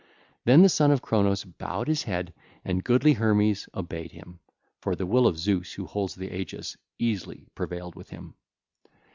Then the Son of Cronos bowed his head: and goodly Hermes obeyed him; for the will of Zeus who holds the aegis easily prevailed with him.